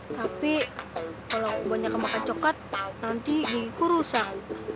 tapi kalau aku banyak makan coklat nanti gigiku rusak